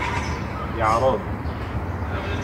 Yeɛreḍ.